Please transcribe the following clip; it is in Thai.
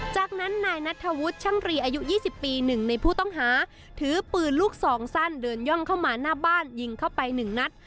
จากนั้นนายนัทธวุฒิช่างรีอายุ๒๐ปี๑ในผู้ต้องหาถือปืนลูกสองสั้นเดินย่องเข้ามาหน้าบ้านยิงเข้าไปหนึ่งนัด